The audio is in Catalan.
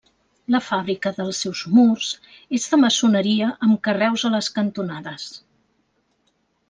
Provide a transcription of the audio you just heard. La fàbrica dels seus murs és de maçoneria amb carreus a les cantonades.